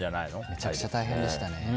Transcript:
めちゃくちゃ大変でしたね。